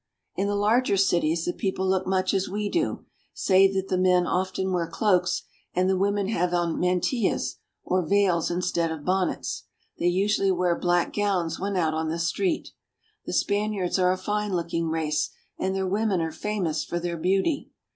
In the larger cities the people look much as we do, save that the men often wear cloaks, and the women have on mantillas or veils instead of bonnets ; they usually wear black gowns when out on the street. The Spaniards are a fine looking race, and their women are famous for their beauty.